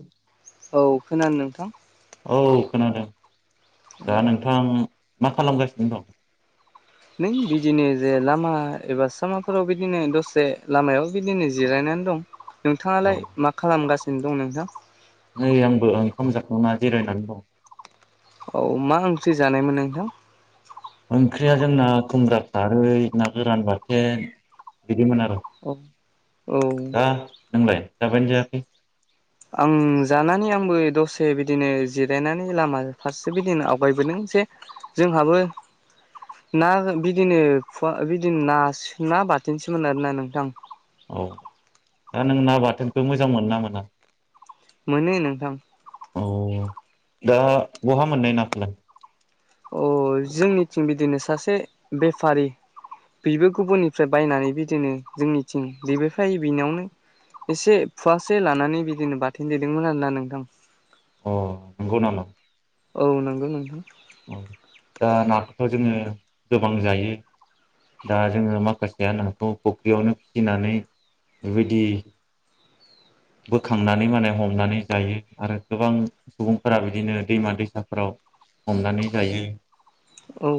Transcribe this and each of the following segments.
औ औ खोनादों नोंथां औ खोनादों दा नोंथां मा खालामगासिनो दं नों बिदिनो जे लामा एबा सामाफोराव बिदिनो दसे लामायाव बिदिनो जिरायनानै दं औ नोंथाङालाय मा खालामगासिनो दं नोंथां नै आंबो ओंखाम जाखांना जिरायनानै दं औ मा ओंख्रि जानायमोन नोंथां ओंख्रिया जोंना खुमब्रा खारै ना गोरान बाथोन बिदिमोन आरो औ औ दा नोंलाय जाबायानो जायाखै आं जानानै आंबो दसे बिदिनो जिरायनानै लामा फारसे बिदिनो आवगायबोदों जे जोंहाबो ना बिदिनो फवा बिदिनो न ना बाथोनसोमोन आरोना नोंथां औ दा नों ना बाथोनबो मोजां मोनो ना मोना मोनो नोंथां औ दा बहा मोननाय न खालाय अ जोंनिथिं बिदिनो सासे बेफारि बेबो गुबुननिफ्राय बायनानै बिदिनो जोंनिथिं बेबो फाय बिनयावनो एसे फुवासे लानानै बिदिनो बाथोन देदोंमोन आरोना नोंथां अ नंगौ ननाया औ नंगौ नंगौ दा नाखौथ' जोङो गोबां जायो दा जोङो माखासेया नाखौ फुख्रियावनो फिसिनानै बेबायदि बोखांनानै माने हमनानै जायो आरो गोबां सुबुंफोरा बिदिनो दैमा दैसाफोराव हमनानै जायो औ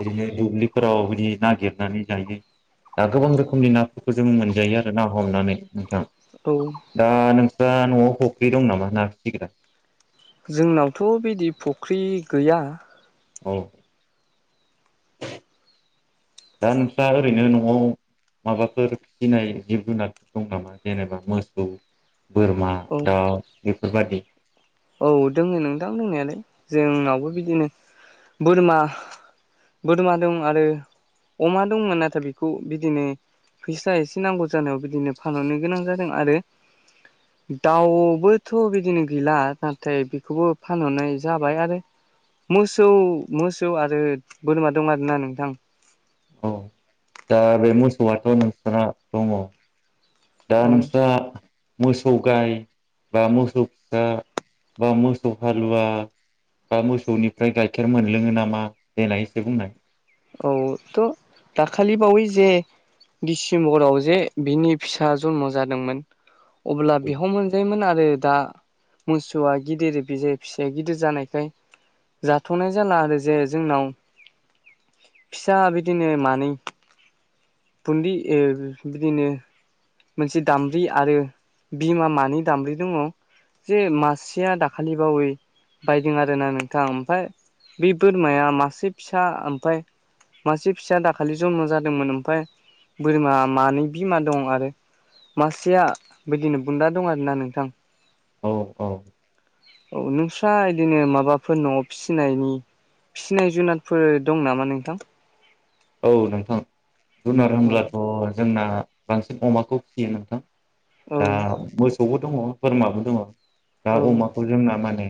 बिदिनो दुब्लिफोराव बिदि नागिरनानै जायो। दा गोबां रोखोमनि नाफोरखौ जों मोनजायो आरो ना हमनानै नोंथां। औ दा नोंस्रा न'आव फुख्रि दं नामा [unintelligible] जोंनावथ' बिदि फुख्रि गैया। औ [inaudible] दा नोंस्रा ओरैनो न'आव माबाफोर फिनाय जिब जुनारफोर दं नामा जेनेबा मोसौ बोरमा औ दा बेफोरबायदि औ दोङ नोंदां दंनायालाय जोंनावबो बिदिनो बोरमा बदमा दं आरो अमा दंमोन नाथाय बेखौ बिदिनो फैसा एसे नांगौ जानायाव बिदिनो फानहरनो गोनां जादों आरो दाउबोथ' बिदिनो गैला। नाथाय बेखौबो फानहरनाय जाबाय आरो मोसौ मोसौ आरो बोरोमा दं आरोना नोंथां। औ दा बे मोसौआथ' नोंसना दङ दा औ नोंस्रा मोसौ गाइ बा मोसौ फिसा बा मोसौ हालुवा बा मोसौनिफ्राय गाइखेर मोनलोङो नामा देनाय ऐसो बुंनाय? औ थ' दाखालि बावै जे दिडिसेम्बराव जे बिनि फिसा जन्म जादोंमोन ‌ अब्ला बेयाव मोनजायोमोन आरो दा मोसौआ गिदिर बे जायो फिसाया गिदिर जानायखाय जाथ'नाय जाला आरो जे जोंनाव फिसा बिदिनो मानै बुदि बिदिनो मोनसे दामब्रि आरो बिमा मानै दामब्रि दङ। जे मासेया दाखालि बावै बायदों आरोना नोंथां ओमफफ्राय बे बोरमाया मासे फिसा ओमफफ्राय मासे फिसा दाखालि जन्म जादोंमोन ओमफफ्राय बोरमा मानै बिमा दं आरो। मासेया बिदिनो बुन्दा दं आरोना नोंथां। औ औ औ नोंस्रा बिदिनो माबाफोर न'आव फिसिनायनि फिनाय जुनादफोर दं नामा नोंथां? औ नोंथां जुनार औ होनब्लाथ' जोंना बांसिन अमाखौ फिसियो नोंथां। औ दा मोसौबो दङ बोरमाबो दङ दा औ अमाखौ जोंना माने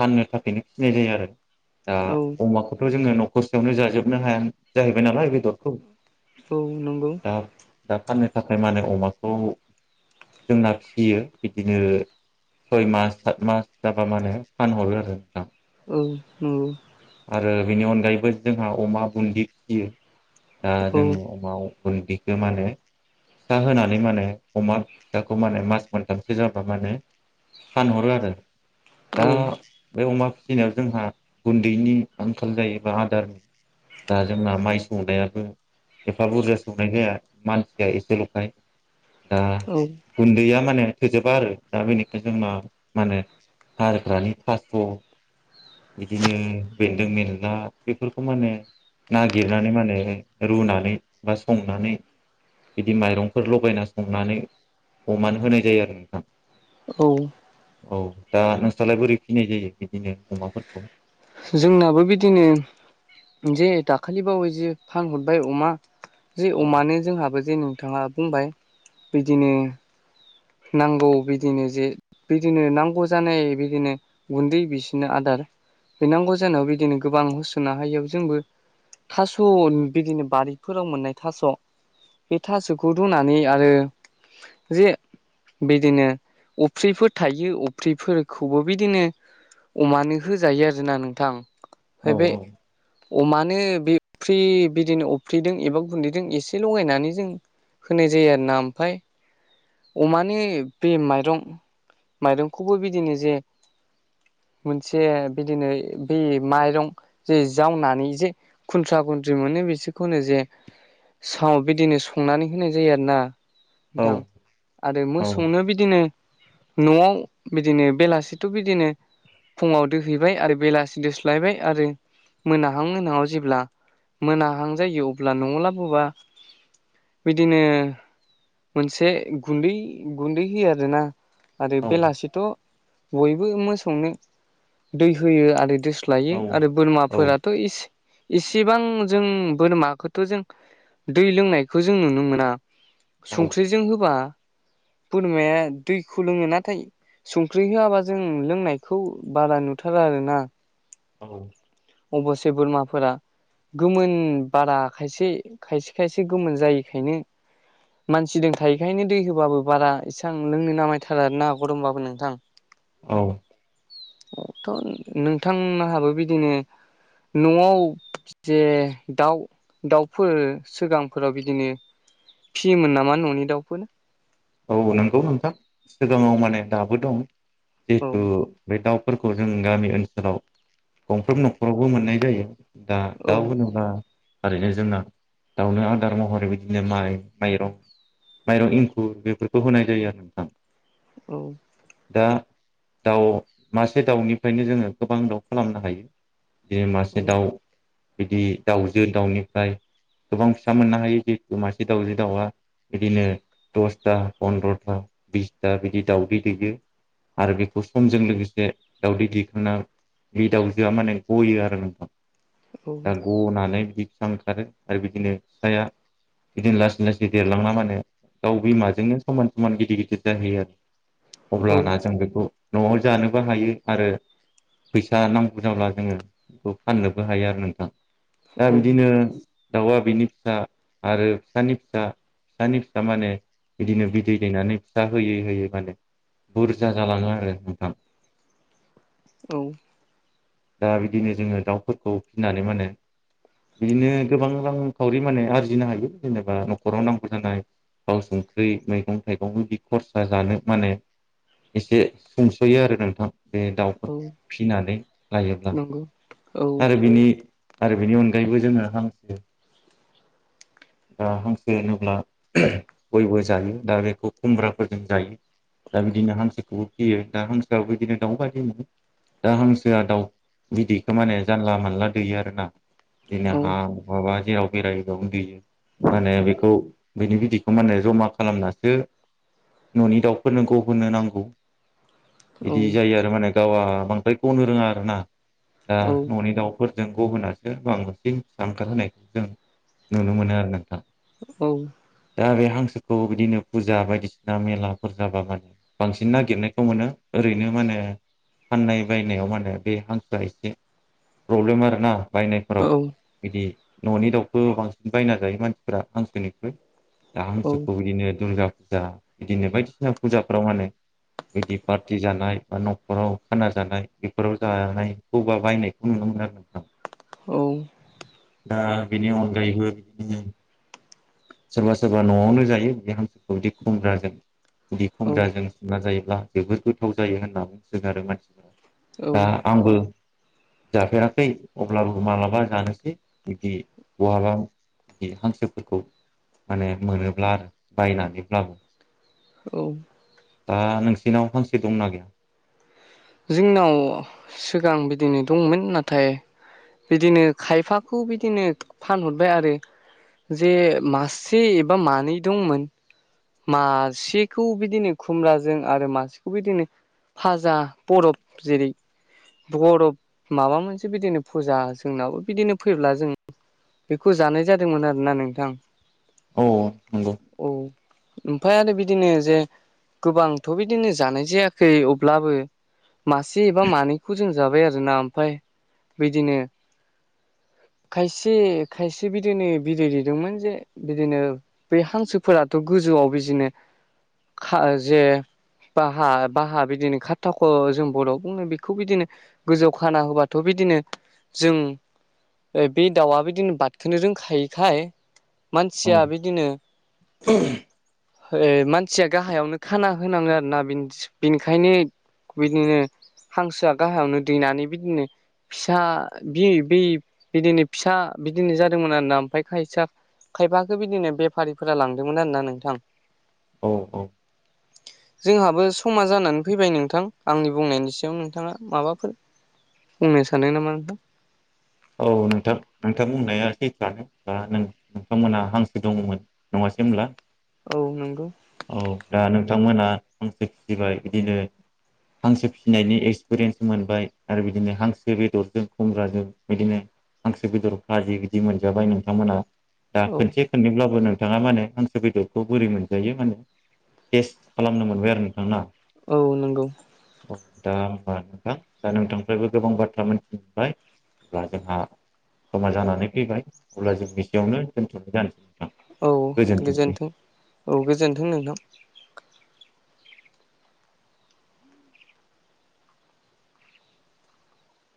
फाननो थाखायनो फिनाय जायो आरो दा औ अमाखौथ' जोङो नख खस्थ'आवनो जाजोबनो हाया जाहैबाय नालाय बेदरखौ औ नंगौ दा दा फाननो थाखाय माने अमाखौ' जोंना फिसियो बिदिनो सय मास सात मास जाबा माने फानहरो आरो नोंथा। औ औ आरो बेनि अनगायैबो जोंहा अमा बुन्दि फियो दा औ जोंङो अमायाव गुन्दिखौ माने फिसा होनानै माने अमा फिसाखौ माने मास मोनथामसो जाबा माने फानहरो आरो दा औ बे अमा फिसिनायाव जोंहा दैनि आंखाल जायोबा आदार दा जोंना माइ सौनायाबो एफा बुरजा सौनाय जाया मानसिया एसेल'खाय दा औ गुन्दैया माने थोजोबा आरो दा बेनिख जों मा माने हारफ्र्रानि थास्थ' बिदिनो बेन्दों बेला बेफोरखौ मानो नागिरनानै मानो रुनानै बा संनानै बिदि माइरंफोर लगायना संनानै अमानो होनाय जायो आरो नोंथां। औ औ दा नोंस्रालाय बोरै फिनाय जायो बिदिनो अमाफोरखौ? जोंनाबो बिदिनो। जे दाखालिबावै जो फानहरबाय अमा जे औ अमानो जोंहाबो जे नोंथाङा बुंबाय बिदिनो नांगौ बिदिनो जे बिदिनो नांगौ जानाय बिदिनो गुन्दै बिसोनो आदार होनांगौ जानायाव बिदिनो गोबां हुस'ना हायो जोंबो। थास' बिदिनो बारिफोराव मोननाय थास' बे थास'खौ रुनानै आरो जे बिदिनो अफ्रिफोर थायो अफ्रिफोरखौबो बिदिनो अमानो होजायो आरोना नोंथां। औ हैबाय अमानो बेफ्रि बिदिनो अफ्रिदों एबा गुन्दैदों एसे लगायनानै जों होनाय जायो आरो ना ओमफाय अमानि बे माइरं माइरंखौबो बिदिनो जे मोनसे बिदिनो बै माइरं जे जावनानै जे खुन्थ्रा खुन्थ्रि मोनो बिसोरखौनो जे साव बिदिनो संनानै होनाय जायो आरो ना। औ दां। आरो औ मोसौनो बिदिनो न'आव बिदिनो बेलासिथ' बिदिनो फुङाव दोहैबाय आरो बेलासि दोस्लायबाय आरो मोनाहां मोनहाङाव जेब्ला मोनाहां जायो अब्ला न'आव लाबोबा बिदिनो मोनसे गुन्दै गुन्दै होयो आरोना आरो औ बेलासिथ' बयबो मोसौनो दै होयो आरो दोस्लायो औ आरो बोरमाफोराथ' इस इसेबां जों बोरमाखोथ' जों दै लोंनायखो जों नुनो मोना। औ संख्रिजों होबा बोरमाया दैखौ लोङो नाथाय संख्रि होआबा जों लोंनायखौ बारा नुथारा आरो ना। औ अब'स्से बोरमाफोरा गोमोन बारा खायसे खायसे खायसे गोमोन जायैखायनो मानसिदों थायोखायनो दै होबाबो बारा इसां लोंनो नामायथारा आरना गरमबाबो नोंथां। [inaudible] औ अथ' नोंथां नाहाबो बिदिनो न'आव जे दाउ दाउफोर सोगांफोराव बिदिनो फियोमोन नामा न'नि दाउफोर? औ नोंगौ नोंथां। सिगाङाव माने दाबो दं औ जिहेथु बे दाउफोरखौ जों गामि ओनसोलाव गंफ्रोम न'खरावबो मोननाय जायो। दा औ दाउ होनोब्ला ओरैनो जोंना दाउनो आदार महरै बिदिनो माइ माइरं माइरं इं खुर बेफोरखौ होनाय जायो आरो नोंथां। औ दा दाउ मासे दाउनिफ्रायनो जोङो गोबां दाउ खालामनो हायो। दे औ मासे दाउ बिदि दाउजो दाउनिफ्राय गोबां फिसा मोननो हायो जिहेतु मासे दाउजो दाउआ बिदिनो दसथा पन्द्र'था बिसथा बिदि दाउदै दैयो। आरो बेखौ समजों लोगोसे दावदै दिखांना बे दाउजोआ माने गयो आरो नोंथां दा गनानै बिदि सा ओंखारो आरो बिदिनो फिसाया बिदिनो लासै लासै देरलांबा मानो दाउ बिमाजोंनो समान समान गिदिर गिदिर जाहैयो आरो औ अब्लाना जों बेखौ न'आव जानोबो हायो आरो फैसा नांगौ जाब्ला जोङो बेखौ फाननोबो हायो आरो नोंथां। दा बिदिनो दाउआ बिनि फिसा आरो फिसानि फिसा फिसानि फिसा दा माने बिदिनो बिदै दैनानै फिसा होयै होयै माने बुरजा जालाङो आरो नोंथां। औ दा बिदिनो जोङो दाउफोरखौ फिनानै मानो बिदिनो गोबां रांखावरि माने आरजिनो हायो जेनेबा न'खराव नांगौ जानाय थाव संख्रि मैगं थाइगंबो बिदि खरसा जानो माने एसे संस'यो आरो नोंथां। बे दाउफोरखौ औ फिसिनानै लायोब्ला नंगौ औ आरो बिनि आरो बेनि अनगायैबो जोङो हांसो दा हांसो होनोब्ला बयबो जायो दा बेखौ खुमब्राफोरजों जायो। दा बिदिनो हांसोखौबो फियो दा हांसोआवबो बिदिनो दाउ बायदि मोनो दा हांसोआ दाउ बिदैखो माने जानला मानला दैयो आरो ना। बिदिनो हा औ माबा जेराव बेरायो बेयावनो दैयो। मानो बेखौ बेनि बिदैखौ मानो जमा खालामनासो न'नि दाउफोरनो गहोनो नांगौ। औ इदि औ जायो आरो माने गावआ बांद्राय गनो रोङा आरो ना दा औ औ न'नि दाउ फोरजों गुबुनासो बांसिन फिसा ओंखार होनायखौ जों नुनो मोनो आरो नोंथां। औ दा बे हांसोखौ बिदिनो फुजा बायदिसिना मेलाफोर जाबा मान बांसिन नागिरनायखौ मोनो ओरैनो माने फाननाय बायनायाव मानो बे हांसोआ एसे प्रब्लेम आरोना बायनाय औ बिदि न'नि दाउखौ बांसिन बायना जायो मानसिफोरा हांसोनिख्रुय। दा औ हांसोखौ बिदिनो दुर्गा फुजा बिदिनो बायदिसिना फुजाफ्राव मानो बिदि पार्टि जानाय बा न'खराव खाना जानाय बेफोराव जानायखौबा बायनायखौ नुनो मोनो आरोना। औ दा बेनि अनगायैबो बिदिनो सोरबा सोरबा न'आवनो जायो बिदि हांसोखौ बिदि खुमब्राजों बिदि खुमब्राजों उना जायोब्ला जोबोद गोथाव जायो होनना बुंसो गारो मानसिफ्रा दा आंबो जाफेराखै अब्लाबो मालाबा जानोसै बिदि बहाबा बि हांसोफोरखौ मानो मोनोब्ला आरो बायनानैब्लाबो औ आ नोंसिनाव हांसो दंना गैया? जोंनाव सिगां बिदिनो दंमोन नाथाय बिदिनो खायफाखौ बिदिनो फानहरबाय आरो जे मासे एबा मानै दंमोन। मासेखौ बिदिनो खुमब्राजों आरो मासेखौ बिदिनो फाजा बरफ जेरै बरफ माबा मोनसे बिदिनो फुजा जोंनाबो बिदिनो फैब्ला जों बेखौ जानाय जादोंमोन आरोना नोंथां। अ नोंगौ। ओमफाय आरो बिदिनो जे गोबांथ' बिदिनो जानाय जायाखै अब्लाबो मासे एबा मानैखौ जों जाबाय आरोना ओमफाय बिदिनो खायसे खायसे बिदिनो बिदै दैदोंमोन जे बिदिनो बे हांसोफोराथ' गोजौआव बिजिनो खा जे बाहा बाहा बिदिनो खाथाखौ जों बर' बुङो बेखौ बिदिनो गोजौ खाना होबाथ' बिदिनो जों बे दाउआ बिदिनो बादखोनो रोंखायोखाय मानसिया बिदिनो ओ मानसिया गाहायावनो खाना होनाङो आरो ना बेनिखायनो बिदिनो हांसोआ गाहायावनो दैनानै बिदिनो फिसा बि बि बिदिनो फिसा बिदिनो जादोंमोन आरोना ओमफाय खायसा खायफाखौ बिदिनो बेफारिफोरा लांदोंमोन आरोना नोंथां। औ औ [inaudible] जोंहाबो समा जानानै फैबाय नोंथां आंनि बुंनायनि सायाव नोंथाङा माबाफोर बुंनो सानदों नामा नोंथां औ नोंथां नोंथां बुंनाया सैथोआनो दा नोंथांमोनहा हांसो दंमोन नङासै होनब्ला औ नंगौ औ दा नोंथांमोनहा हांसो फिसिबाय बिदिनो हांसो फिसिनायनि एक्सपिरियेन्स मोनबाय आरो बिदिनो हांसो बेदरजों खुमब्राजों बिदिनो हांसो बेदर फाजि बिदि मोनजाबाय नोंथांमोना दा औ खनसे साननोब्लाबो नोंथाङा माने हांसो बेदरखौ बोरै मोनजायो माने टेस्ट खालामनो मोनबाय आरो नोंथां ना औ नंगौ औ दा होमबा नोंथां दा नोंथांनिफ्रायबो गोबां बाथ्रा मिथिबाय अब्ला जोंहा समा जानानै फैबाय अब्ला जों बिसेयावनो दोनथ'नाय जानोसै नोंथां औ गोजोनथोंसै गोजोनथों औ गोजोनथों नोंथां